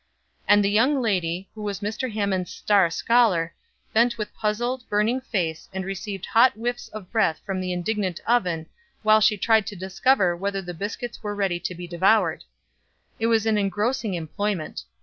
And the young lady, who was Mr. Hammond's star scholar, bent with puzzled, burning face, and received hot whiffs of breath from the indignant oven while she tried to discover whether the biscuits were ready to be devoured. It was an engrossing employment.